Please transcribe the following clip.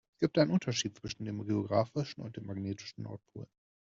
Es gibt einen Unterschied zwischen dem geografischen und dem magnetischen Nordpol.